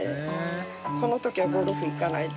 このときはゴルフ行かないで疋薀